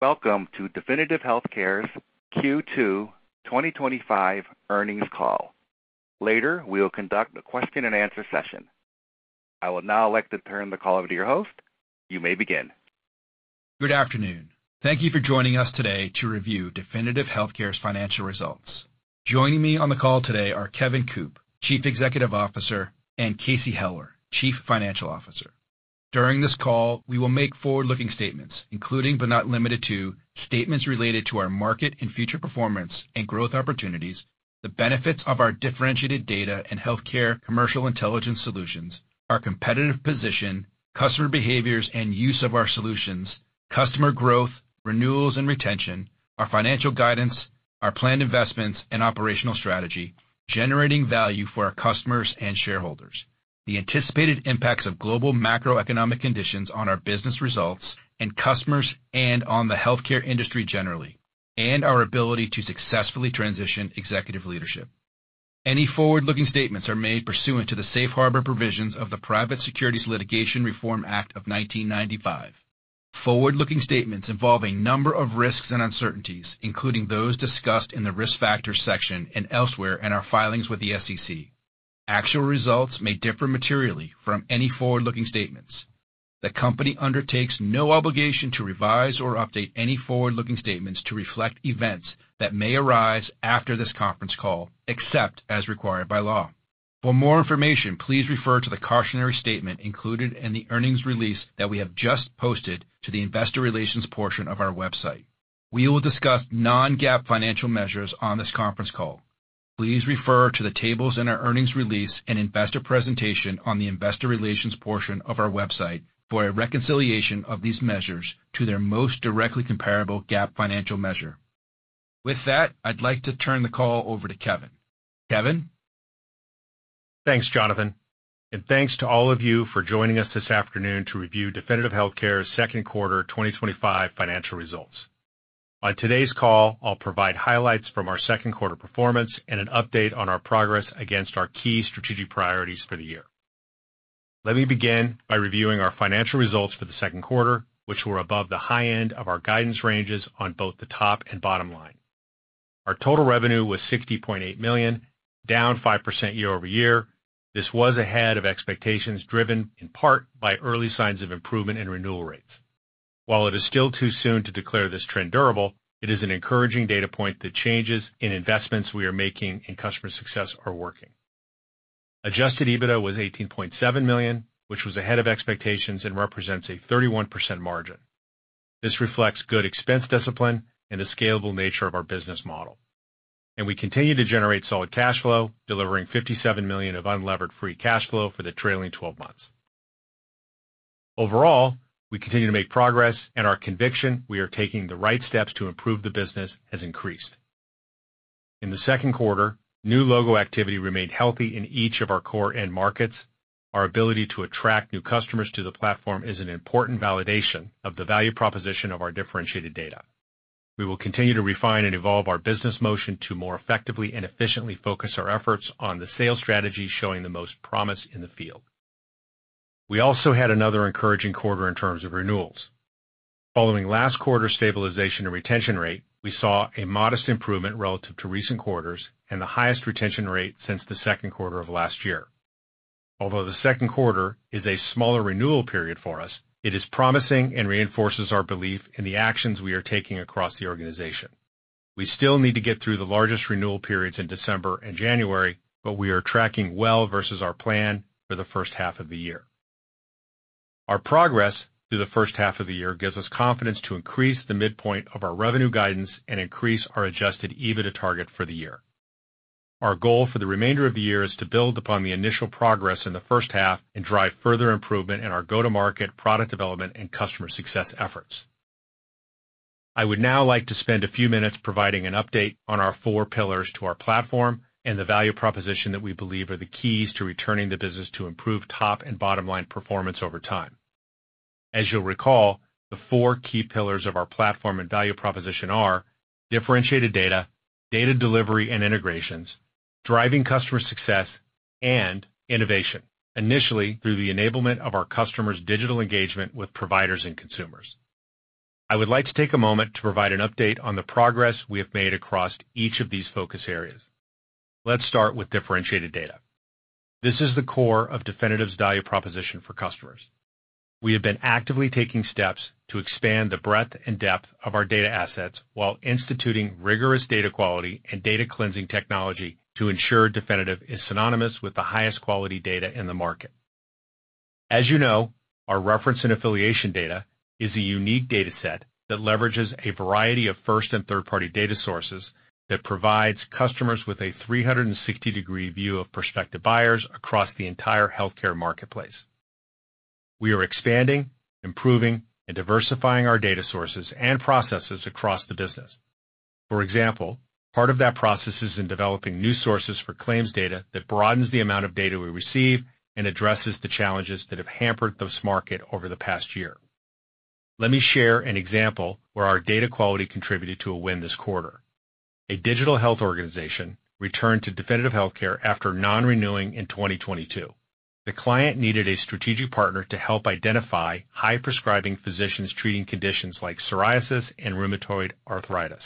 Welcome to Definitive Healthcare's Q2 2025 Earnings Call. Later we will conduct a question and answer session. I would now like to turn the call over to your host. You may begin. Good afternoon. Thank you for joining us today to review Definitive Healthcare's Financial Results. Joining me on the call today are Kevin Coop, Chief Executive Officer, and Casey Heller, Chief Financial Officer. During this call we will make forward-looking statements, including but not limited to statements related to our market and future performance and growth opportunities, the benefits of our differentiated data and healthcare commercial intelligence solutions, our competitive position, customer behaviors and use of our solutions, customer growth, renewals and retention, our financial guidance, our planned investments and operational strategy, generating value for our customers and shareholders, the anticipated impacts of global macroeconomic conditions on our business results and customers, and on the healthcare industry generally, and our ability to successfully transition executive leadership. Any forward-looking statements are made pursuant to the safe harbor provisions of the Private Securities Litigation Reform Act of 1995. Forward-looking statements involve a number of risks and uncertainties, including those discussed in the Risk Factors section and elsewhere in our filings with the SEC. Actual results may differ materially from any forward-looking statements. The company undertakes no obligation to revise or update any forward-looking statements to reflect events that may arise after this conference call, except as required by law. For more information, please refer to the cautionary statement included in the earnings release that we have just posted to the Investor Relations portion of our website. We will discuss non-GAAP financial measures on this conference call. Please refer to the tables in our earnings release and investor presentation on the Investor Relations portion of our website for a reconciliation of these measures to their most directly comparable GAAP financial measure. With that, I'd like to turn the call over to Kevin. Kevin. Thanks Jonathan, and thanks to all. Thank you for joining us this afternoon to review Definitive Healthcare's Second Quarter 2025 Financial Results. On today's call I'll provide highlights from our second quarter performance and an update on our progress against our key strategic priorities for the year. Let me begin by reviewing our financial results for the second quarter, which were above the high end of our guidance ranges on both the top and bottom line. Our total revenue was $60.8 million, down 5% year-over-year. This was ahead of expectations, driven in part by early signs of improvement in renewal rates. While it is still too soon to declare this trend durable, it is an encouraging data point. The changes in investments we are making in customer success are working. Adjusted EBITDA was $18.7 million, which was ahead of expectations and represents a 31% margin. This reflects good expense discipline and a scalable nature of our business model. We continue to generate solid cash flow delivering $57 million of unlevered free cash flow for the trailing 12 months. Overall, we continue to make progress and our conviction we are taking the right steps to improve the business has increased in the second quarter. New logo activity remained healthy in each of our core end markets. Our ability to attract new customers to the platform is an important validation of the value proposition of our differentiated data. We will continue to refine and evolve our business motion to more effectively and efficiently focus our efforts on the sales strategy, showing the most promise in the field. We also had another encouraging quarter in terms of renewals following last quarter stabilization and retention rate. We saw a modest improvement relative to recent quarters and the highest retention rate since the second quarter of last year. Although the second quarter is a smaller renewal period for us, it is promising and reinforces our belief in the actions we are taking across the organization. We still need to get through the largest renewal periods in December and January, but we are tracking well versus our plan for the first half of the year. Our progress through the first half of the year gives us confidence to increase the midpoint of our revenue guidance and increase our adjusted EBITDA target for the year. Our goal for the remainder of the year is to build upon the initial progress in the first half and drive further improvement in our go to market, product development and customer success efforts. I would now like to spend a moment few minutes providing an update on our four pillars to our platform and the value proposition that we believe are the keys to returning the business to improve top and bottom line performance over time. As you'll recall, the four key pillars of our platform and value proposition are differentiated data, data delivery and integrations driving customer success and innovation, initially through the enablement of our customers' digital engagement with providers and consumers. I would like to take a moment. To provide an update on the progress we have made across each of these focus areas. Let's start with differentiated data. This is the core of Definitive's value proposition for customers. We have been actively taking steps to expand the breadth and depth of our data assets while instituting rigorous data quality and data cleansing technology to ensure Definitive is synonymous with the highest quality data in the market. As you know, our reference and affiliation data is a unique data set that leverages a variety of first and third-party data sources that provides customers with a 360 degree view of prospective buyers across the entire healthcare marketplace. We are expanding, improving, and diversifying our data sources and processes across the business. For example, part of that process is in developing new sources for claims data that broadens the amount of data we receive and addresses the challenges that have hampered this market over the past year. Let me share an example where our data quality contributed to a win this quarter. A digital health organization returned to Definitive Healthcare after non-renewing in 2022. The client needed a strategic partner to help identify high prescribing physicians treating conditions like psoriasis and rheumatoid arthritis.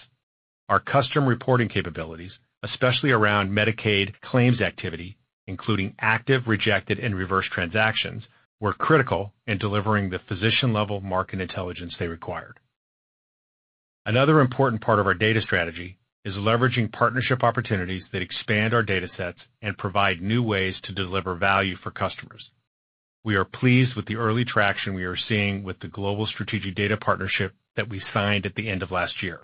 Our custom reporting capabilities, especially around Medicaid claims activity, including active, rejected, and reverse transactions, were critical in delivering the physician level market intelligence they required. Another important part of our data strategy is leveraging partnership opportunities that expand our data sets and provide new ways to deliver value for customers. We are pleased with the early traction we are seeing with the Global Strategic Data Partnership that we signed at the end of last year.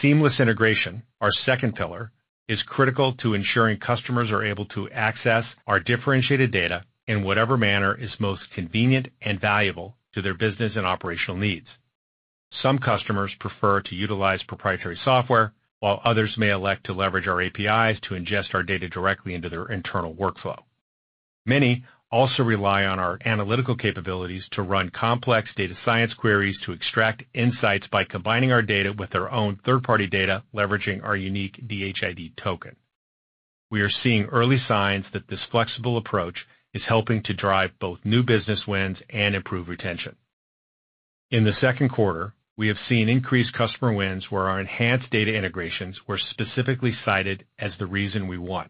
Seamless Integration, our second pillar, is critical. To ensuring customers are able to access our differentiated data in whatever manner is most convenient and valuable to their business and operational needs. Some customers prefer to utilize proprietary software, while others may elect to leverage our APIs to ingest our data directly into their internal workflow. Many also rely on our analytical capabilities to run complex data science queries to extract insights by combining our data with their own third-party data leveraging our unique DHID token. We are seeing early signs that this flexible approach is helping to drive both new business wins and improve retention. In the second quarter, we have seen increased customer wins where our enhanced data integrations were specifically cited as the reason we won.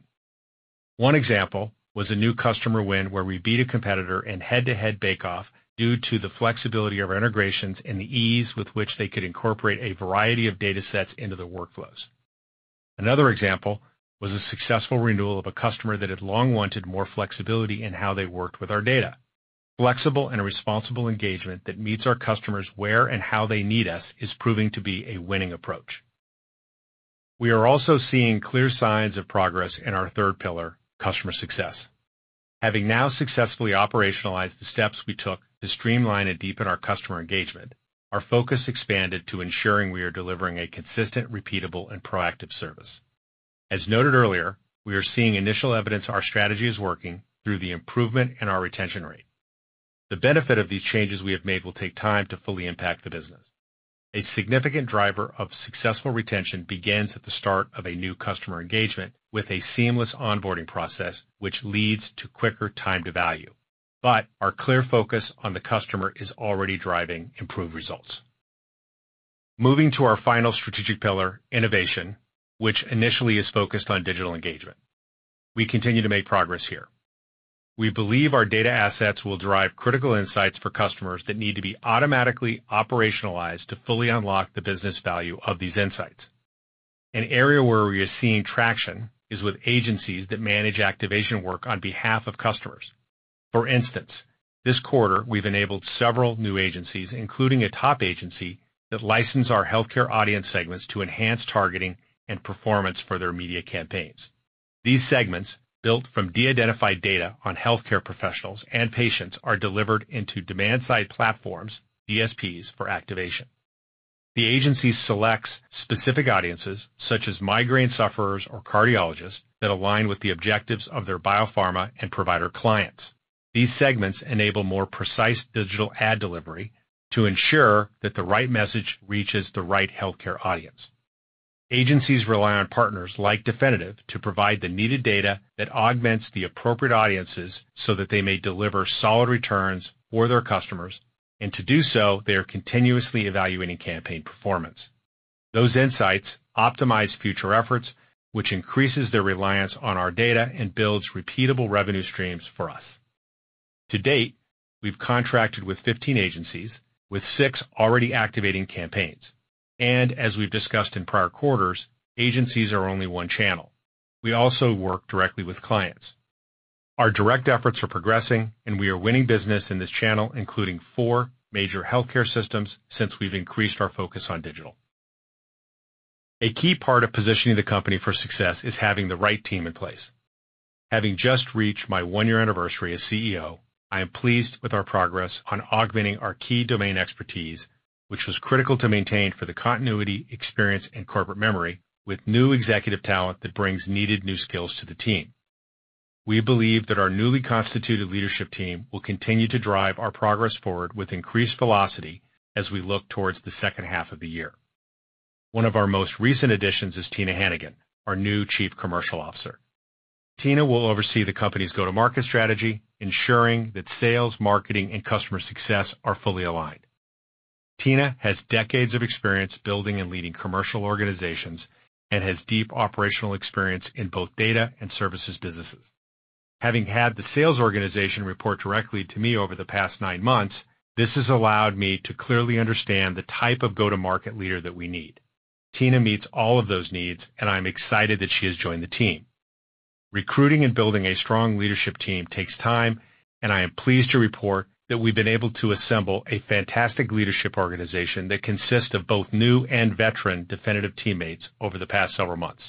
One example was a new customer win where we beat a competitor in head-to-head bake off due to the flexibility of our integrations and the ease with which they could incorporate a variety of data sets into the workflows. Another example was a successful renewal of a customer that had long wanted more flexibility in how they worked with our data. Flexible and responsible engagement that meets our customers where and how they need us is proving to be a winning approach. We are also seeing clear signs of progress in our third pillar, customer success. Having now successfully operationalized the steps we took to streamline and deepen our customer engagement, our focus expanded to ensuring we are delivering a consistent, repeatable, and proactive service. As noted earlier, we are seeing initial evidence our strategy is working through the improvement in our retention rate. The benefit of these changes we have made will take time to fully impact the business. A significant driver of successful retention begins at the start of a new customer engagement with a seamless onboarding process which leads to quicker time to value. Our clear focus on the customer is already driving improved results. Moving to our final strategic pillar, Innovation, which initially is focused on digital engagement, we continue to make progress here. We believe our data assets will drive critical insights for customers that need to be automatically operationalized to fully unlock the business value of these insights. An area where we are seeing traction is with agencies that manage activation work on behalf of customers. For instance, this quarter we've enabled several new agencies, including a top agency that license our healthcare audience segments to enhance targeting and performance for their media campaigns. These segments, built from de-identified data on healthcare professionals and patients, are delivered into demand side platforms, DSPs, for activation. The agency selects specific audiences such as migraine sufferers or cardiologists that align with the objectives of their biopharma and provider clients. These segments enable more precise digital ad delivery to ensure that the right message reaches the right healthcare audience. Agencies rely on partners like Definitive Healthcare to provide the needed data that augments the appropriate audiences so that they may deliver solid returns for their customers, and to do so, they are continuously evaluating campaign performance. Those insights optimize future efforts, which increases their reliance on our data and builds repeatable revenue streams for us. To date, we've contracted with 15 agencies, with six already activating campaigns, and as we've discussed in prior quarters, agencies are only one channel. We also work directly with clients. Our direct efforts are progressing. Are winning business in this channel, including four major healthcare systems, since we've increased our focus on digital. A key part of positioning the company. For success is having the right team in place. Having just reached my one year anniversary as CEO, I am pleased with our progress on augmenting our key domain expertise, which was critical to maintain for the continuity, experience, and corporate memory. With new executive talent that brings needed new skills to the team, we believe that our newly constituted leadership team will continue to drive our progress forward with increased velocity as we look towards the second half of the year. One of our most recent additions is Tina Hannagan, our new Chief Commercial Officer. Tina will oversee the company's go-to-market strategy, ensuring that sales, marketing, and customer success are fully aligned. Tina has decades of experience building and leading commercial organizations and has deep operational experience in both data and services businesses. Having had the sales organization report directly to me over the past nine months, this has allowed me to clearly understand the type of go-to-market leader that we need. Tina meets all of those needs and I'm excited that she has joined the team. Recruiting and building a strong leadership team takes time, and I am pleased to report that we've been able to assemble a fantastic leadership organization that consists of both new and veteran Definitive teammates over the past several months.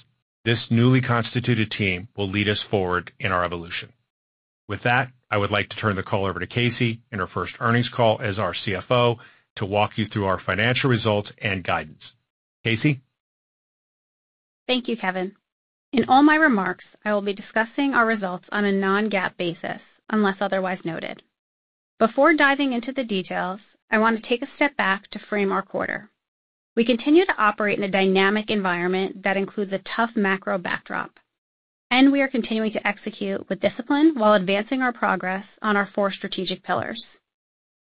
This newly constituted team will lead us forward in our evolution. With that, I would like to turn the call over to Casey in her first earnings call as our CFO and to walk you through our financial results and guidance. Casey Thank you Kevin. In all my remarks, I will be discussing our results on a non-GAAP basis unless otherwise noted. Before diving into the details, I want to take a step back to frame our quarter. We continue to operate in a dynamic environment that includes a tough macro backdrop, and we are continuing to execute with discipline while advancing our progress on our four strategic pillars.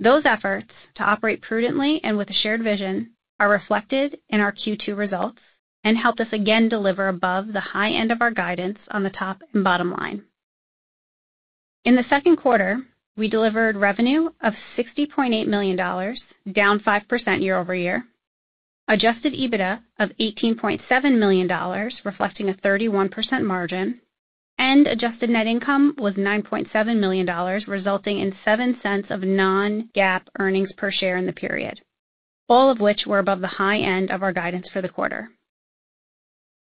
Those efforts to operate prudently and with a shared vision are reflected in our Q2 results and helped us again deliver above the high end of our guidance on the top and bottom line. In the second quarter, we delivered revenue of $60.8 million, down 5% year-over-year, adjusted EBITDA of $18.7 million reflecting a 31% margin, and adjusted net income was $9.7 million, resulting in $0.07 of non-GAAP earnings per period, all of which were above the high end of our guidance for the quarter.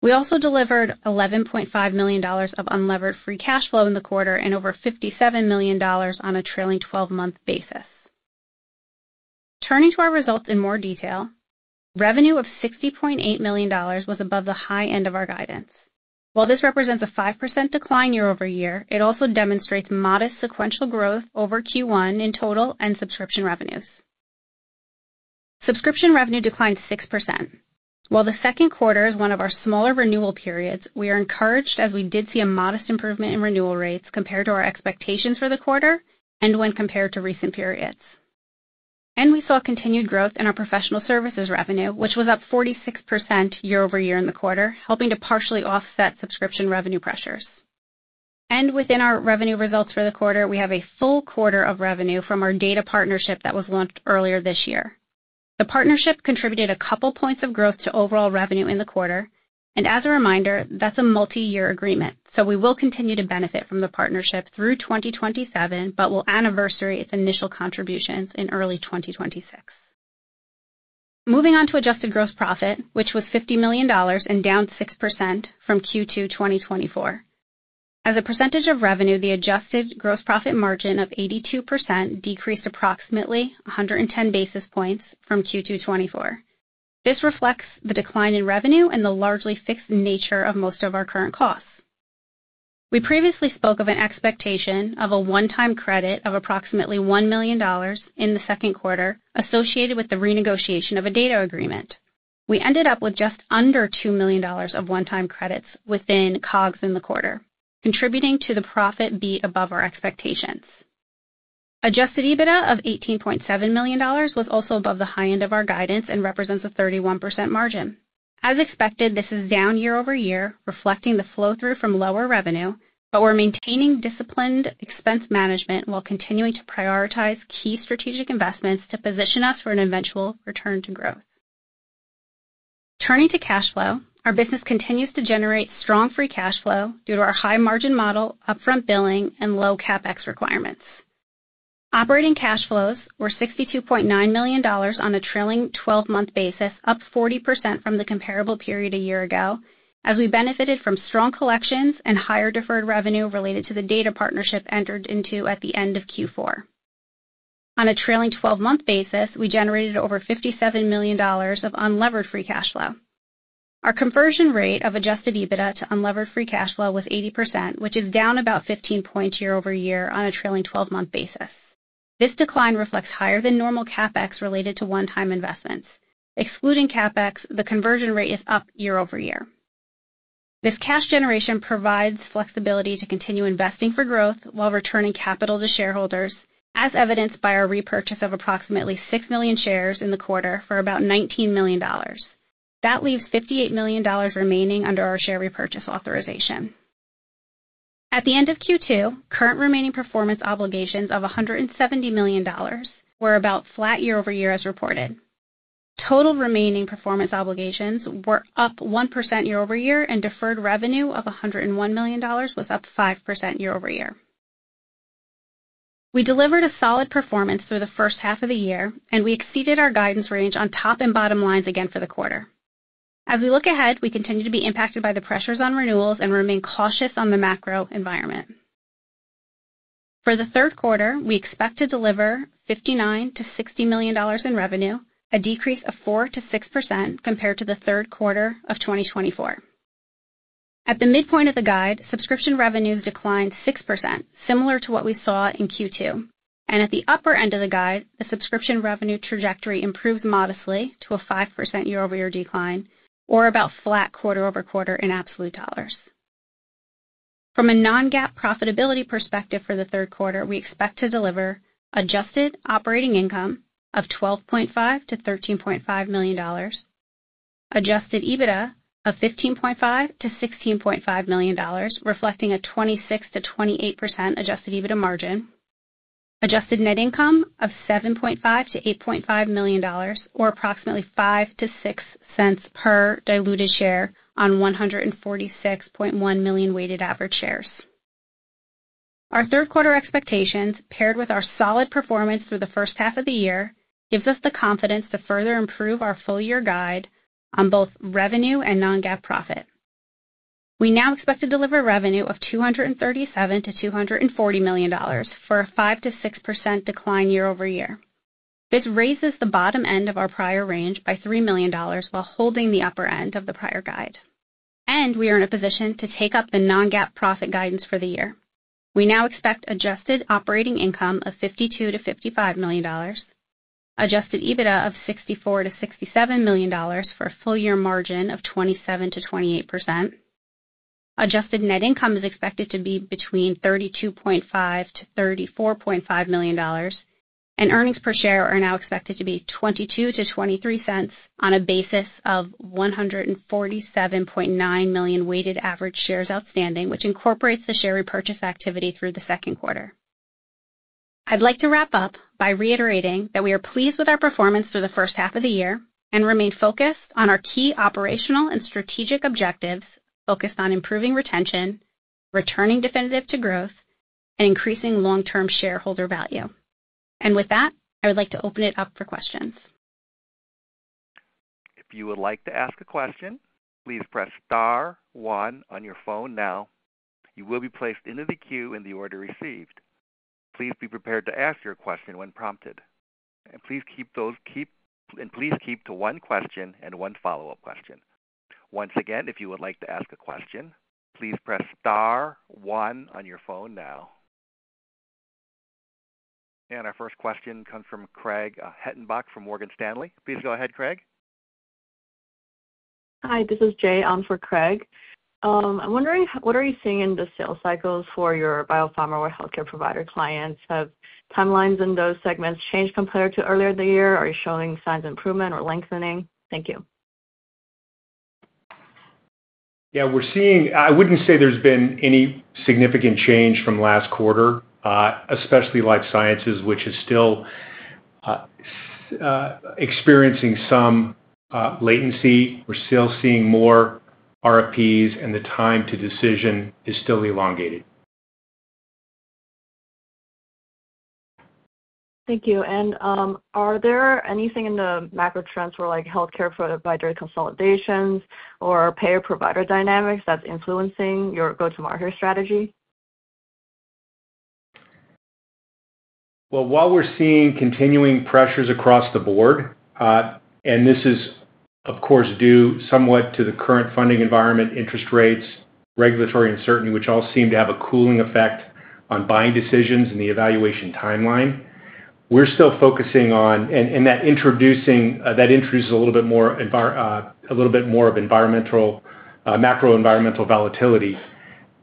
We also delivered $11.5 million of unlevered free cash flow in the quarter and over $57 million on a trailing 12-month basis. Turning to our results in more detail, revenue of $60.8 million was above the high end of our guidance. While this represents a 5% decline year-over-year, it also demonstrates modest sequential growth over Q1 in total and subscription revenues. Subscription revenue declined 6%. While the second quarter is one of our smaller renewal periods, we are encouraged as we did see a modest improvement in renewal rates compared to our expectations for the quarter and when compared to recent periods. We saw continued growth in our professional services revenue, which was up 46% year-over-year in the quarter, helping to partially offset subscription revenue pressures. Within our revenue results for the quarter, we have a full quarter of revenue from our data partnership that was launched earlier this year. The partnership contributed a couple points of growth to overall revenue in the quarter, and as a reminder, that's a multi-year agreement. We will continue to benefit from the partnership through 2027, but will anniversary its initial contributions in early 2026. Moving on to adjusted gross profit, which was $50 million and down 6% from Q2 2024. As a percentage of revenue, the adjusted gross profit margin of 82% decreased approximately 110 basis points from Q2 2024. This reflects the decline in revenue and the largely fixed nature of most of our current costs. We previously spoke of an expectation of a one-time credit of approximately $1 million in the second quarter associated with the renegotiation of a data agreement. We ended up with just under $2 million of one-time credits within COGS in the quarter, contributing to the profit being above our expectations. Adjusted EBITDA of $18.7 million was also above the high end of our guidance and represents a 31% margin. As expected, this is down year-over-year, reflecting the flow through from lower revenue, but we're maintaining disciplined expense management while continuing to prioritize key strategic investments to position us for an eventual return to growth. Turning to cash flow, our business continues to generate strong free cash flow due to our high margin model, upfront billing, and low CapEx requirements. Operating cash flows were $62.9 million on a trailing twelve-month basis, up 40% from the comparable period a year ago as we benefited from strong collections and higher deferred revenue related to the data partnership entered into at the end of Q4. On a trailing 12-month basis, we generated over $57 million of unlevered free cash flow. Our conversion rate of adjusted EBITDA to unlevered free cash flow was 80%, which is down about 15 points year-over-year on a trailing 12-month basis. This decline reflects higher than normal CapEx related to one-time investments. Excluding CapEx, the conversion rate is up year-over-year. This cash generation provides flexibility to continue investing for growth while returning capital to shareholders, as evidenced by our repurchase of approximately 6 million shares in the quarter for about $19 million. That leaves $58 million remaining under our share repurchase authorization at the end of Q2. Current remaining performance obligations of $170 million were about flat year-over-year as reported. Total remaining performance obligations were up 1% year-over-year and deferred revenue of $101 million was up 5% year-over-year. We delivered a solid performance through the first half of the year and we exceeded our guidance range on top and bottom lines again for the quarter. As we look ahead, we continue to be impacted by the pressures on renewals and remain cautious on the macro environment. For the third quarter, we expect to deliver $59 million-$60 million in revenue, a decrease of 4%-6% compared to the third quarter of 2024. At the midpoint of the guide, subscription revenues declined 6%, similar to what we saw in Q2, and at the upper end of the guide the subscription revenue trajectory improved modestly to a 5% year-over-year decline or about flat quarter-over-quarter in absolute dollars. From a non-GAAP profitability perspective for the third quarter, we expect to deliver adjusted operating income of $12.5 million-$13.5 million, adjusted EBITDA of $15.5 million-$16.5 million reflecting a 26%-28% adjusted EBITDA margin, adjusted net income of $7.5 million-$8.5 million or approximately $0.05-$0.06 per diluted share on 146.1 million weighted average shares. Our third quarter expectations paired with our solid performance through the first half of the year gives us the confidence to further improve our full year guide on both revenue and non-GAAP profit. We now expect to deliver revenue of $237 million-$240 million for a 5%-6% decline year-over-year. This raises the bottom end of our prior range by $3 million while holding the upper end of the prior guide, and we are in a position to take up the non-GAAP profit guidance for the year. We now expect adjusted operating income of $52 million-$55 million, adjusted EBITDA of $64 million-$67 million for a full year margin of 27%-28%. Adjusted net income is expected to be. Between $32.5 million-$34.5 million, and earnings per share are now expected to be $0.22-$0.23 on a basis of 147.9 million weighted average share outstanding, which incorporates the share repurchase activity through the second quarter. I'd like to wrap up by reiterating. We are pleased with our performance through the first half of the year and remain focused on our key operational and strategic objectives, focused on improving retention, returning Definitive to growth, and increasing long-term shareholder value. With that, I would like to. Open it up for questions. If you would like to ask a question, please press star one on your phone now. You will be placed into the queue in the order received. Please be prepared to ask your question when prompted, and please keep to one question and one follow up question. Once again, if you would like to ask a question, please press star one on your phone now. Our first question comes from Craig Hettenbach from Morgan Stanley. Please go ahead, Craig. Hi, this is Jay on for Craig. I'm wondering what are you seeing in the sales cycles for your biopharma or healthcare provider clients? Have timelines in those segments changed compared to earlier in the year? Are you showing signs of improvement or lengthening? Thank you. Yeah, we're seeing, I wouldn't say there's been any significant change from last quarter, especially Life Sciences, which is still experiencing some latency. We're still seeing more RFPs and the time to decision is still elongated. Thank you. Are there anything in the macro trends for healthcare provider consolidations or payer provider dynamics that's influencing your go to market strategy? We're seeing continuing pressures across the board, and this is of course due somewhat to the current funding environment, interest rates, regulatory uncertainty, which all seem to have a cooling effect on buying decisions in the evaluation timeline. We're still focusing on and that introduces a little bit more, a little bit more of environmental, macro, environmental volatility.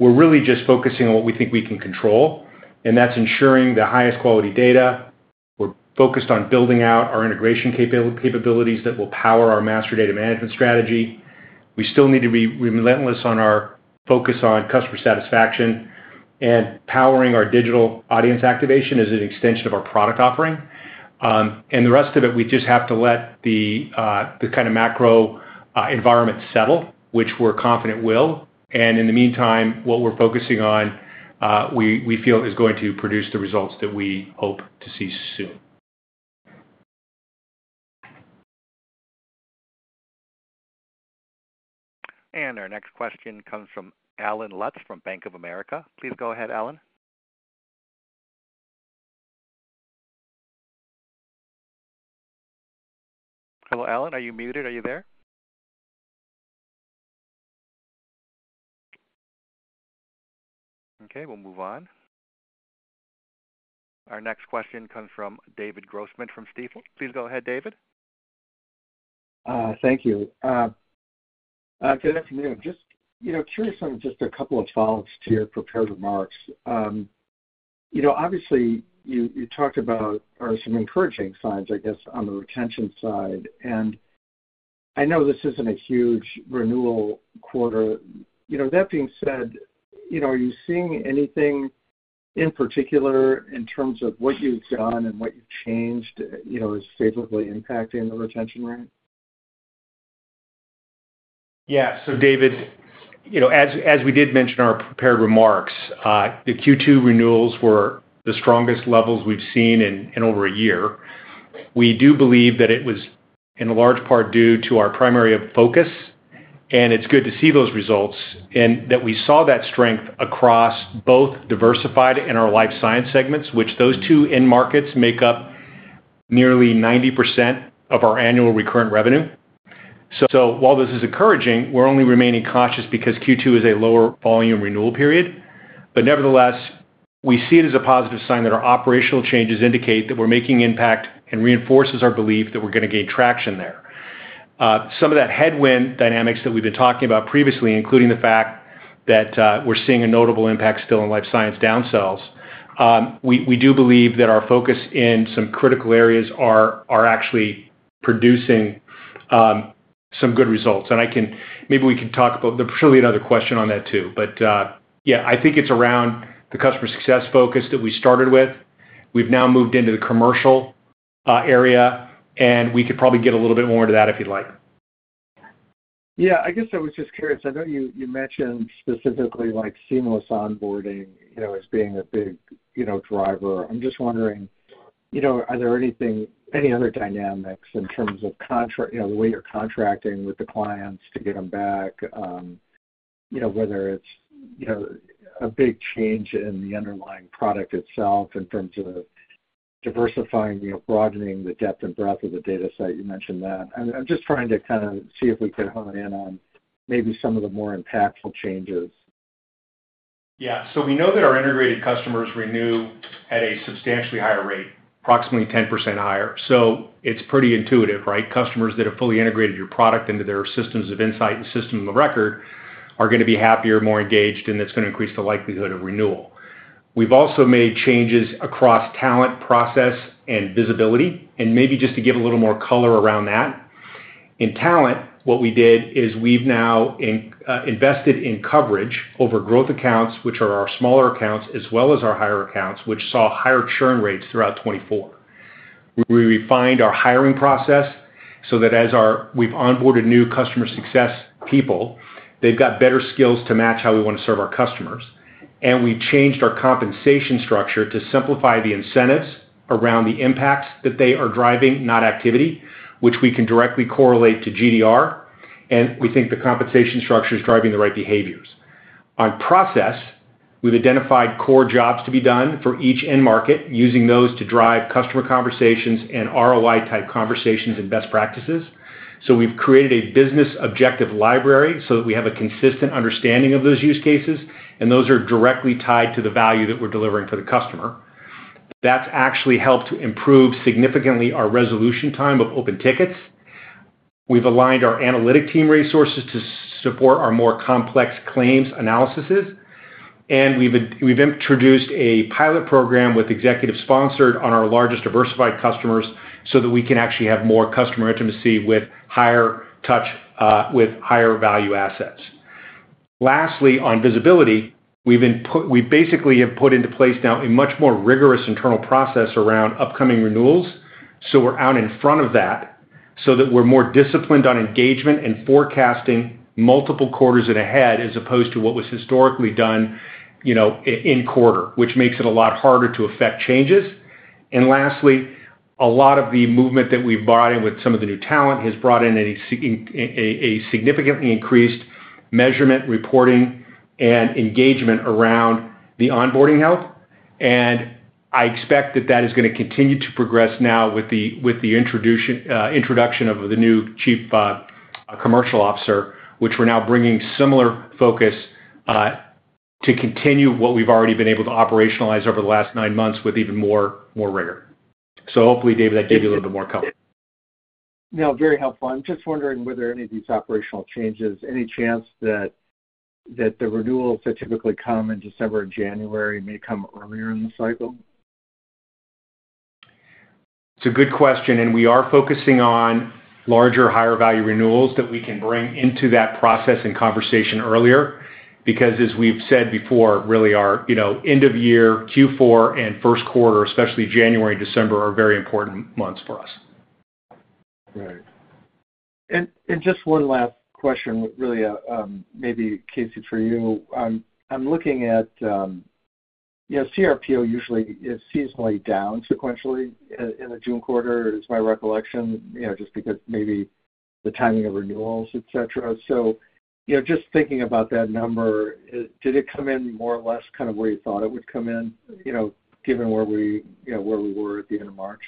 We're really just focusing on what we think we can control, and that's ensuring the highest quality data. We're focused on building out our integration capabilities that will power our master data management strategy. We still need to be relentless on our focus on customer satisfaction, and powering our digital audience activation is an extension of our product offering and the rest of it we just have to let the kind of macro environment settle, which we're confident will. In the meantime, what we're focusing on we feel is going to produce the results that we hope to see soon. Our next question comes from Allen Lutz from Bank of America. Please go ahead, Allen. Hello, Allen. Are you muted? Are you there? Okay, we'll move on. Our next question comes from David Grossman from Stifel. Please go ahead, David. Thank you. Good afternoon. Curious on just a couple of follow ups to your prepared remarks. Obviously you talked about some encouraging signs, I guess on the retention side and I know this isn't a huge renewal quarter. That being said, are you seeing anything in particular in terms of what you've done and what you've changed, is favorably impacting the retention rate? Yeah. David, as we did mention in our prepared remarks, the Q2 renewals were the strongest levels we've seen in over a year. We do believe that it was in large part due to our primary focus, and it's good to see those results and that we saw that strength across both Diversified and our Life Sciences segments, which those two end markets make up nearly 90% of our annual recurring revenue. While this is encouraging, we're only remaining cautious because Q2 is a lower volume renewal period. Nevertheless, we see it as a positive sign that our operational changes indicate that we're making impact and reinforces our belief that we're going to gain traction there. Some of that headwind dynamics that we've been talking about previously, including the fact that we're seeing a notable impact still in Life Sciences down sells. We do believe that our focus in some critical areas are actually producing some good results. I think it's around the customer success focus that we started with. We've now moved into the commercial area, and we could probably get a little bit more into that if you'd like. Yeah, I guess I was just curious. I know you mentioned specifically like seamless onboarding as being a big driver. I'm just wondering, are there any other dynamics in terms of contract, the way you're contracting with the clients to get them back, whether it's a big change in the underlying product itself and then sort of diversifying, broadening the depth and breadth of the data set. You mentioned that. I'm just trying to kind of see if we could hone in on maybe some of the more impactful changes. We know that our integrated customers renew at a substantially higher rate, approximately 10% higher. It's pretty intuitive, right? Customers that have fully integrated your product into their systems of insight and system of record are going to be happier, more engaged, and it's going to increase the likelihood of renewal. We've also made changes across talent, process, and visibility. Maybe just to give a little more color around that, in talent, what we did is we've now invested in coverage over growth accounts, which are our smaller accounts, as well as our higher accounts, which saw higher churn rates throughout 2024. We refined our hiring process so that as we've onboarded new customer success people, they've got better skills to match how we want to serve our customers. We changed our compensation structure to simplify the incentives around the impact that they are driving, not activity, which we can directly correlate to GDR. We think the compensation structure is driving the right behaviors. On process, we've identified core jobs to be done for each end market, using those to drive customer conversations and ROI type conversations and best practices. We've created a business objective library so that we have a consistent understanding of those use cases, and those are directly tied to the value that we're delivering for the customer. That's actually helped to improve significantly our resolution time of open tickets. We've aligned our analytic team resources to support our more complex claims analysis, and we've introduced a pilot program with executive sponsored on our largest Diversified customers so that we can actually have more customer intimacy with higher touch with higher value assets. Lastly, on visibility, we basically have put into place now a much more rigorous internal process around upcoming renewals. We're out in front of that so that we're more disciplined on engagement and forecasting multiple quarters ahead as opposed to what was historically done in quarter, which makes it a lot harder to effect changes. A lot of the movement that we've brought in with some of the new talent has brought in a significantly increased measurement, reporting, and engagement around the onboarding health, and I expect that is going to continue to progress now with the introduction of the new Chief Commercial Officer, which we're now bringing similar focus to continue what we've already been able to operationalize over the last nine months with even more rigor. Hopefully, David, that gave you a little bit more color now. Very helpful. I'm just wondering whether any of these operational changes, any chance that the renewals that typically come in December or January may come earlier in the cycle? It's a good question, and we are focusing on larger, higher value renewals that we can bring into that process and conversation earlier. As we've said before, really our end of year Q4 and first quarter, especially January, December, are very. Important months for us. Just one last question, really, maybe Casey, for you. I'm looking at CRPO. Usually, it is seasonally down sequentially in the June quarter. It's my recollection, just because maybe the timing of renewals, et cetera. Just thinking about that number, did it come in more or less kind of where you thought it would come in, given where we were at end of March?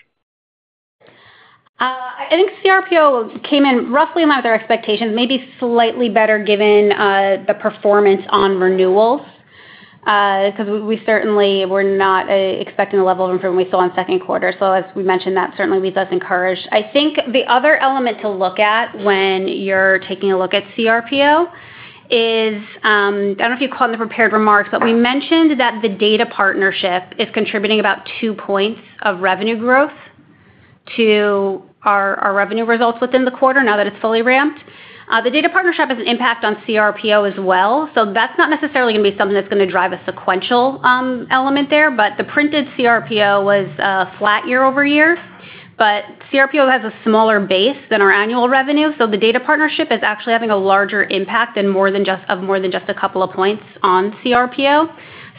I think CRPO came in roughly in line with our expectations, maybe slightly better given the performance on renewals because we certainly were not expecting the level of improvement we saw in second quarter. As we mentioned, that certainly leaves us encouraged. I think the other element to look at when you're taking a look at CRPO is I don't know if you caught in the prepared remarks, but we mentioned that the data partnership is contributing about two points of revenue growth to our revenue results within the quarter, now that it's fully ramped. The data partnership has an impact on CRPO as well. That's not necessarily going to be something that's going to drive a sequential element there. The printed CRPO was flat year-over-year. CRPO has a smaller base than our annual revenue, so the data partnership is actually having a larger impact than more than just a couple of points on CRPO.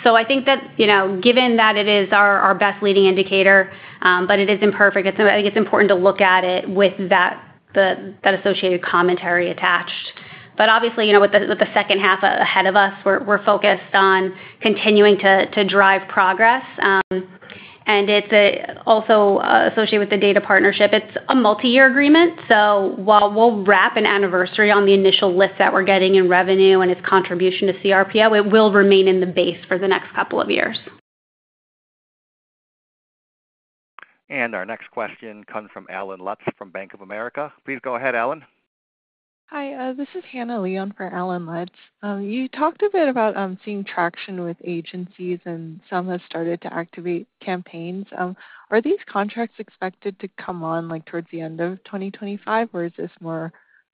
I think that given that it is our best leading indicator, but it is imperfect, I think it's important to look at it with that associated commentary attached. Obviously, with the second half ahead of us, we're focused on continuing to drive progress. It's also associated with the data partnership. It's a multi-year agreement. While we'll wrap an anniversary on the initial list that we're getting in revenue and its contribution to CRPO, it will remain in the base for the next couple of years. Our next question comes from Allen Lutz from Bank of America. Please go ahead, Allen. Hi, this is Hanna Lee for Allen Lutz. You talked a bit about seeing traction with agencies and some have started to activate campaigns. Are these contracts expected to come on like towards the end of 2025 or is this more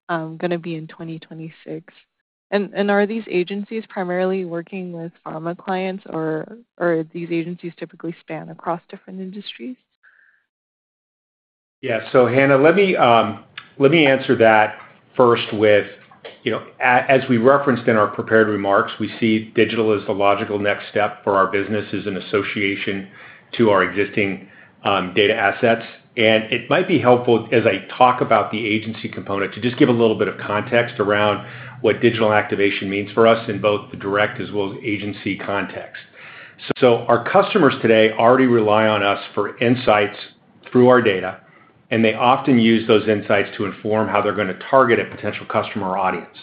going to be in 2026? Are these agencies primarily working with pharma clients or are these agencies typically span across different industries? Yeah. Hanna, let me answer that first with, you know, as we referenced in our prepared remarks, we see digital as the logical next step for our business in association to our existing data assets. It might be helpful as I talk about the agency component to just give a little bit of context around what digital activation means for us both the direct as well as agency context. Our customers today already rely on us for insights through our data, and they often use those insights to inform how they're going to target a potential customer or audience.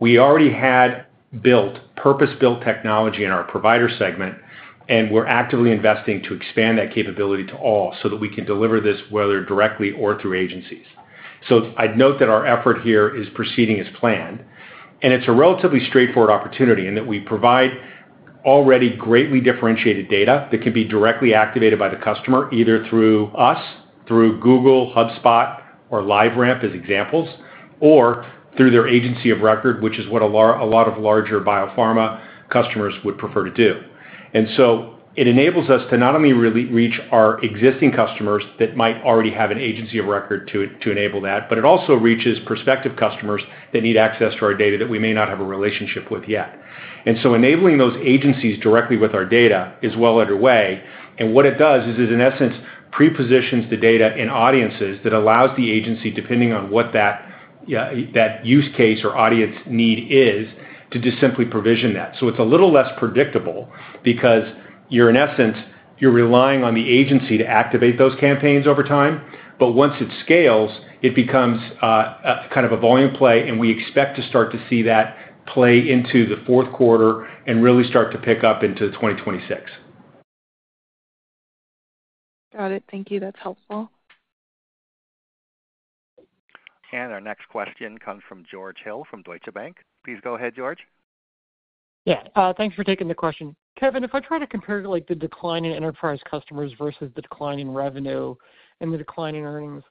We already had built purpose-built technology in our provider segment, and we're actively investing to expand that capability to all so that we can deliver this, whether directly or through agencies. I'd note that our effort here is proceeding as planned, and it's a relatively straightforward opportunity in that we provide already greatly differentiated data that can be directly activated by the customer, either through us, through Google, HubSpot, or LiveRamp examples, or through their agency of record, which is what a lot of larger biopharma customers would prefer to do. It enables us to not only really reach our existing customers that might already have an agency of record to enable that, but it also reaches prospective customers that need access to our data that we may not have a relationship with yet. Enabling those agencies directly with our data is well underway. What it does is it in essence pre-positions the data in audiences that allows the agency, depending on what that use case or audience need is, to just simply provision that. It's a little less predictable because you're in essence relying on the agency to activate those campaigns over time. Once it scales, it becomes kind of a volume play and we expect to start to see that play into the fourth quarter and really start to pick up into 2026. Got it. Thank you, that's helpful. Our next question comes from George Hill from Deutsche Bank. Please go ahead, George. Yeah, thanks for taking the question, Kevin. If I try to compare the decline in enterprise customers versus the declining revenue and the decline in earnings,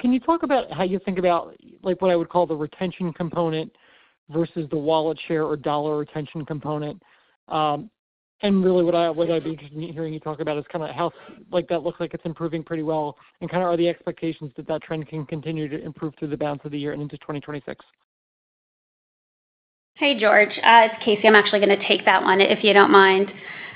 can you talk about how you think about what I would call the retention component versus the wallet share or dollar retention component? What I'd be interested in hearing you talk about is how that looks like it's improving pretty well, and are the expectations that that trend can continue to improve through the balance of the year and into 2026. Hey George, it's Casey. I'm actually going to take that one, if you don't mind.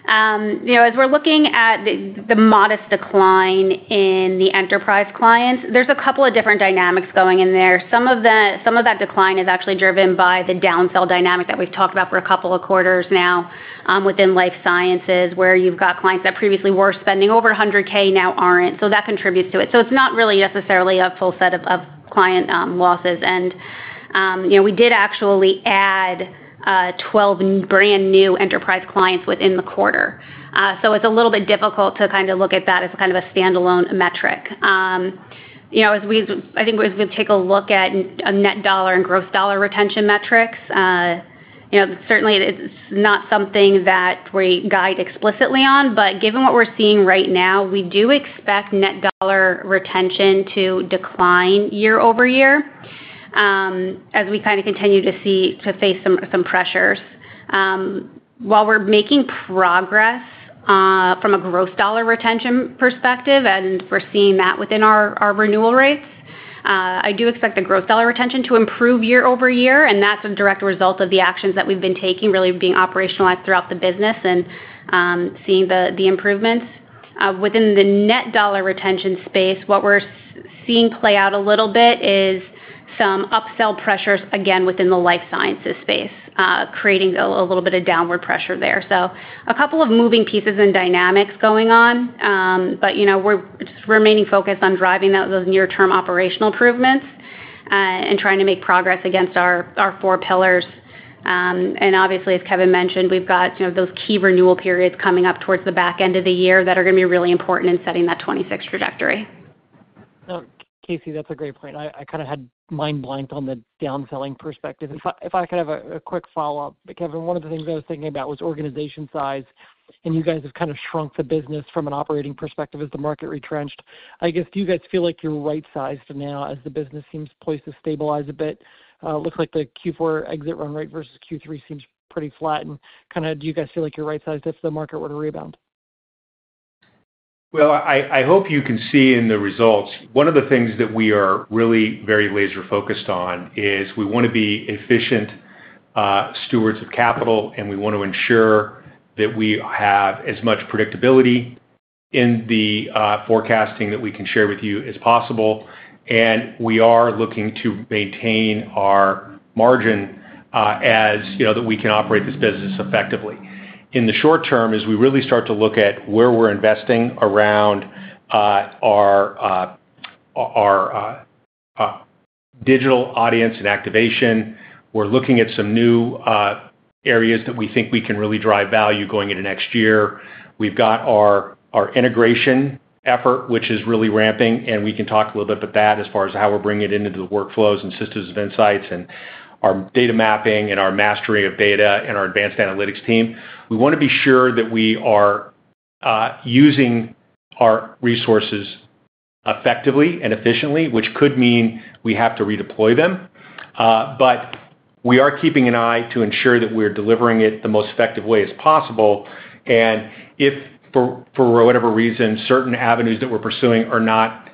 As we're looking at the modest decline in the enterprise clients, there's a couple of different dynamics going in there. Some of that decline is actually driven by the downsell dynamic that we've talked about for a couple of quarters now within Life Sciences, where you've got clients that previously were spending over $100,000 now aren't. That contributes to it. It's not really necessarily a full set of client losses. We did actually add 12 brand new enterprise clients within the quarter. It's a little bit difficult to kind of look at that as kind of a standalone metric. As we take a look at net dollar and gross dollar retention metrics, it's not something that we guide explicitly on, but given what we're seeing right now, we do expect net dollar retention to decline year-over-year as we continue to face some pressures while we're making progress from a gross dollar retention perspective. We're seeing that within our renewal rates. I do expect the gross dollar retention to improve year-over-year. That is a direct result of the actions that we've been taking really being operationalized throughout the business and seeing the improvements within the net dollar retention space. What we're seeing play out a little. There is some upsell pressure again within the Life Sciences space, creating a little bit of downward pressure there. A couple of moving pieces and dynamics are going on. We are just remaining focused on driving those near term operational improvements and trying to make progress against our four pillars. As Kevin mentioned, we've got those key renewal periods coming up towards the back end of the year that are going to be really important setting that 2026 trajectory. Casey, that's a great point. I kind of had a mind blank on the down selling perspective. If I could have a quick follow-up. Kevin, one of the things I was thinking about was organization size and you guys have kind of shrunk the business from an operating perspective as the market retrenched, I guess. Do you guys feel like you're right sized now as the business seems placed to stabilize a bit? Looks like the Q4 exit run rate versus Q3 seems pretty flat. Do you guys feel like you're right sized if the market were to rebound? I hope you can see in the results. One of the things that we are really very laser focused on is we want to be efficient stewards of capital. We want to ensure that we have as much predictability in the forecasting that we can share with you as possible. We are looking to maintain our margin, as you know, that we can operate this business effectively. In the short-term as we really start to look at where we're investing around our digital audience and activation, we're looking at some new areas that we think we can really drive value going into next year. We've got our integration effort, which is really ramping, and we can talk a little bit about that as far as how we're bringing it into the workflows and systems of insights and our data mapping and our mastery of data and our advanced analytics team. We want to be sure that we are using our resources effectively and efficiently, which could mean we have to redeploy them. We are keeping an eye to ensure that we're delivering it the most. as effective a way as possible. If, for whatever reason, certain avenues that we're pursuing are not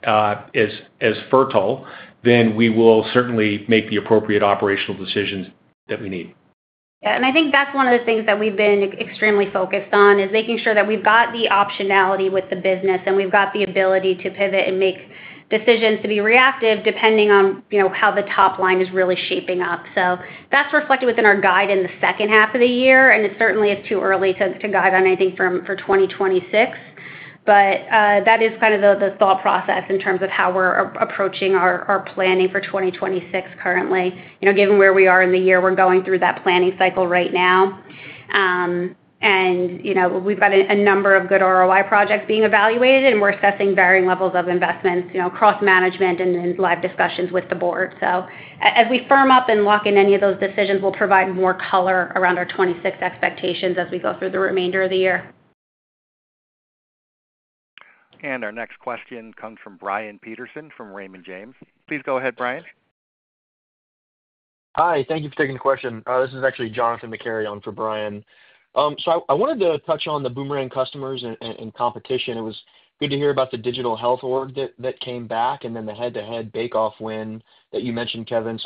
as fertile, we will certainly make the appropriate operational decisions that we need. I think that's one of the things that we've been extremely focused on, making sure that we've got the optionality with the business and we've got the ability to pivot and make decisions to be reactive depending on, you know, how the top line is really shaping up. That's reflected within our guide in the second half of the year. It certainly is too early to guide on anything for 2026. That is kind of the thought process in terms of how we're approaching our planning for 2026 currently, you know, given where we are in the year. We're going through that planning cycle right now, and we've got a number of good ROI projects being evaluated. We're assessing varying levels of investments across live discussions with the board. As we firm up and lock in any of those decisions, we'll provide more color around our 2026 expectations. We go through the remainder of the year. Our next question comes from Brian Peterson from Raymond James. Please go ahead. Hi, thank you for taking the question. This is actually Jonathan McCary on for Brian. I wanted to touch on the Boomerang customers and competition. It was good to hear about the digital health org that came back in the head-to-head bake off win that you mentioned, Kevin.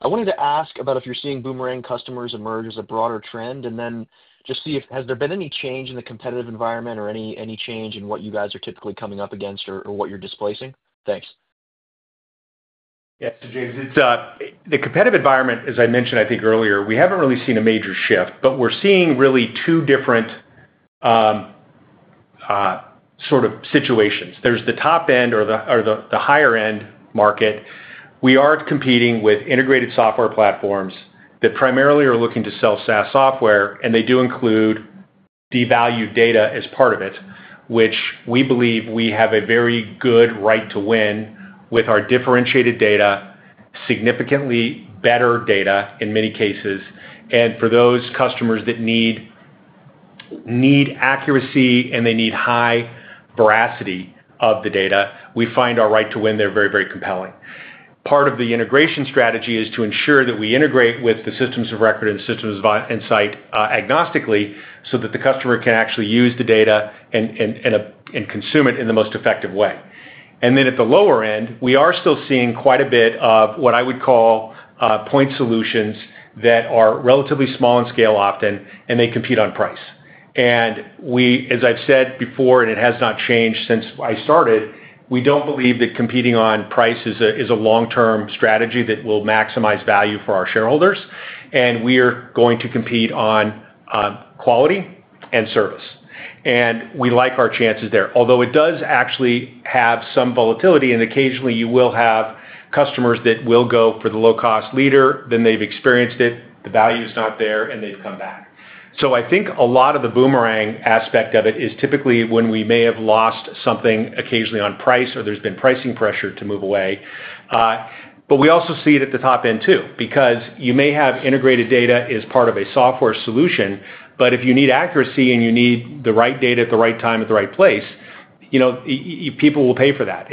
I wanted to ask about if you're seeing Boomerang customers emerge as a broader trend and then just see if has there been any change in the competitive environment or any change in what you guys are typically coming up against or what you're displacing. Thanks. Yeah, James, it's the competitive environment as I mentioned, I think earlier we haven't really seen a major shift, but we're. Seeing really two different things sort of situations. There's the top end or the higher end market. We are competing with integrated software platforms that primarily are looking to sell SaaS products, and they do include devalued data as part of it, which we believe we have a very good right to win with our differentiated data, significantly better data, in many cases. For those customers that need accuracy and they need high veracity of the data, we find our right to win. They're very, very compelling. Part of the integration strategy is to ensure that we integrate with the systems of record and systems insight agnostically so that the customer can actually use the data and consume it in the most effective way. At the lower end, we are still seeing quite a bit of what I would call point solutions that are relatively small in scale, often, and they compete on price. As I've said before, and it has not changed since I started, we don't believe that competing on price is a long-term strategy that will maximize value for our shareholders. We are going to compete on quality and service, and we like our chances there. Although, it does actually have some volatility and occasionally you will have customers that will go for the low-cost leader. They've experienced it, the value is not there, and they've come back. I think a lot of the boomerang aspect of it is typically when we may have lost something, occasionally on price or there's been pricing pressure to move away. We also see it at the top end too because you may have integrated data as part of a software solution, but if you need accuracy and you need the right data at the right time at the right place, you know people will pay for that.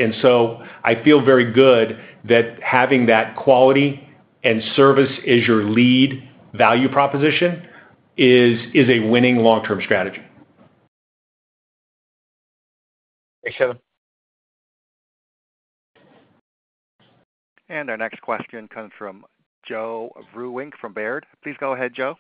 I feel very good that having that quality and service as your lead value proposition is a winning long-term strategy. Thanks Kevin. Our next question comes from Joe Vruwink from Baird. Please go ahead, Joe.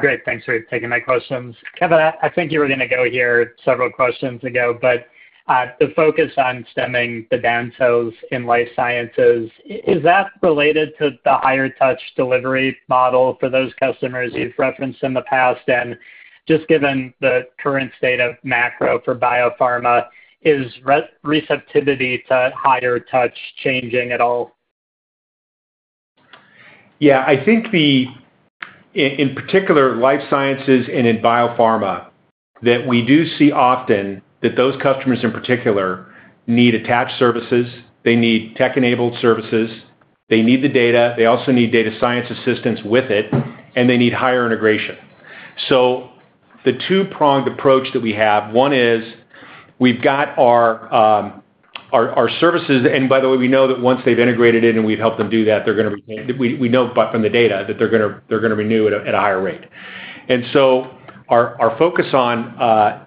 Great, thanks for taking my questions. Kevin, I think you were going to go here several questions ago, but the focus on stemming the danzos in Life Sciences, is that related to the higher touch delivery model for those customers you've referenced in the past, and just given the current state of macro for biopharma, is receptivity to higher touch changing at all? Yeah, I think in particular Life Sciences and in biopharma, we do see often that those customers in particular need attached services, they need tech-enabled services, they need the data, they also need data science assistance with IT, and they need higher integration. The two-pronged approach that we have, one is we've got our services, and by the way, we know that once they've integrated it and we've helped them do that, we know from the data that they're going to renew at a higher rate. Our focus on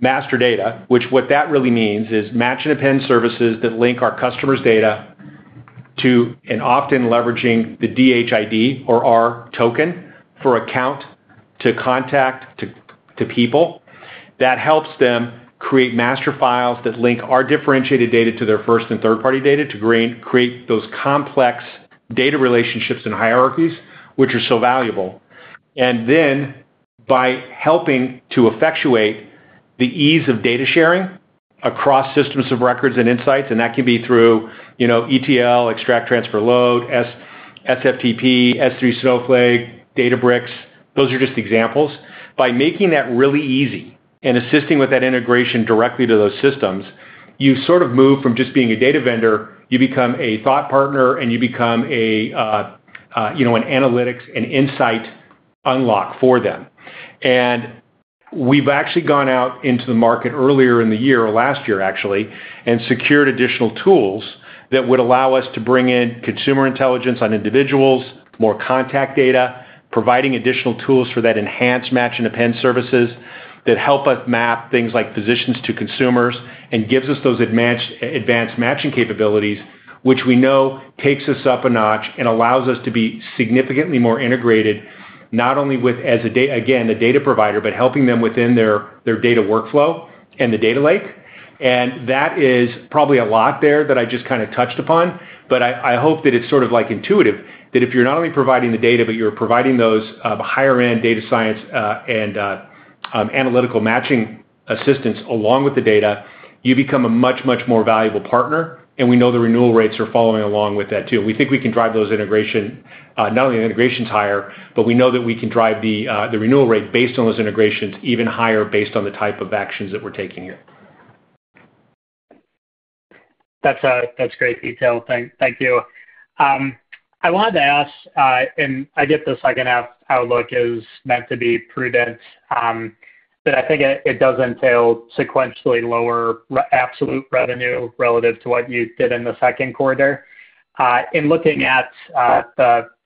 master data, which what that really means is match and append services that link our customers' data to and often leveraging the DHID token for account to contact to people, that helps them create master files that link our differentiated data to their first and third party data to create those complex data relationships and hierarchies which are so valuable. By helping to effectuate the ease of data sharing across systems of records and insights, and that can be through, you know, ETL, extract, transfer, load, SFTP, S3, Snowflake, Databricks, those are just examples. By making that really easy and assisting with that integration directly to those systems, you sort of move from just being a data vendor, you become a thought partner and you become an analytics and insight unlock for them. We've actually gone out into the market earlier in the year, or last year actually, and secured additional tools that would allow us to bring in consumer intelligence on individuals, more contact data, providing additional tools for that enhanced match and append services that help us map things like physicians to consumers and gives us those advanced matching capabilities which we know takes us up a notch and allows us to be significantly more integrated not only as a, again, a data provider, but helping them within their data workflow and the data lake. That is probably a lot there that I just kind of touched upon. I hope that it's sort of like intuitive, and that if you're not only providing the data, but you're providing those higher end data science and analytical matching assistance along with the data, you become a much, much more valuable partner. We know the renewal rates are following along with that too. We think we can drive those integration, not only integrations higher, but we know that we can drive the renewal rate based on those integrations even higher based on the type of actions that we're taking. That's great detail. Thank you. I wanted to ask, and I get the second half outlook is meant to be prudent, but I think it does entail sequentially lower absolute revenue relative to what you did in the second quarter. In looking at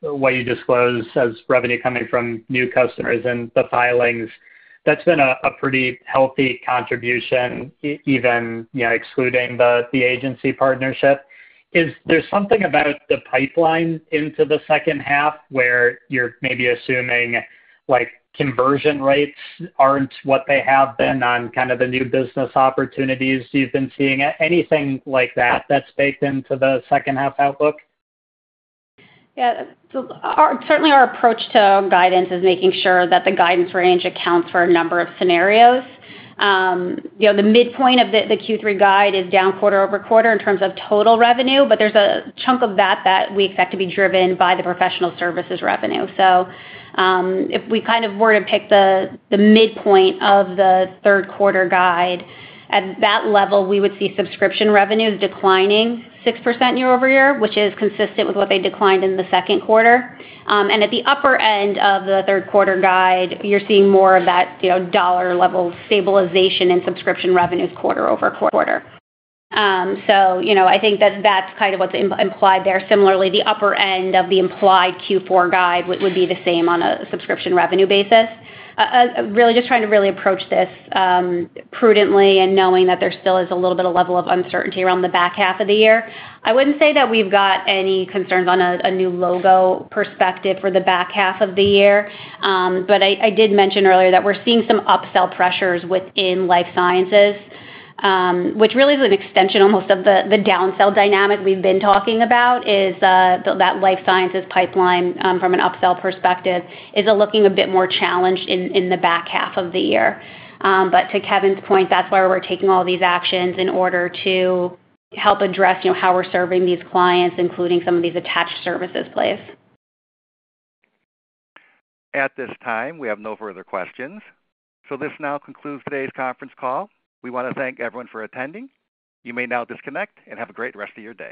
what you disclosed as revenue coming from new customers and the filings, that's been a pretty healthy contribution, even excluding the agency partnership. Is there something about the pipeline into the second half where you're maybe assuming like conversion rates aren't what they have been on kind of the new business opportunities you've been seeing, anything like that that's baked into the second half outlook? Yeah, certainly, our approach to guidance is making sure that the guidance range accounts for a number of scenarios. You know, the midpoint of the Q3 guide is down quarter-over-quarter. In terms of total revenue, there's a chunk of that that we expect to be driven by the professional services revenue. If we were to pick the midpoint of the third quarter guide at that level, we would see subscription revenue declining 6% year-over-year, which is consistent with what they declined in the second quarter. At the upper end of the third quarter guide, you're seeing more of that dollar level stabilization in subscription revenues quarter-over-quarter. I think that that's kind of what's implied there. Similarly, the upper end of the implied Q4 guide would be the same on a subscription revenue basis. Really just trying to approach this prudently and knowing that there still is a little bit of level of uncertainty around the back half of the year, I wouldn't say that we've got any concerns on a new logo perspective for the back half of the year. I did mention earlier that we're seeing some upsell pressures within Life Sciences, which really is an extension almost of the downsell dynamic we've been talking about, as that Life Sciences pipeline from an upsell perspective is looking a bit more challenged in the back half of the year. To Kevin's point, that's where we're taking all these actions in order to help address how we're serving these clients, including some of these attached services plays. At this time, we have no further questions. This now concludes today's conference call. We want to thank everyone for attending. You may now disconnect and have a great rest of your day.